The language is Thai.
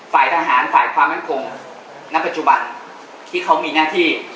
ฝ่ายทหารฝ่ายความมั่นคงณปัจจุบันที่เขามีหน้าที่